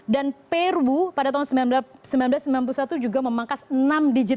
dan peru pada tahun seribu sembilan ratus sembilan puluh satu juga memangkas enam digit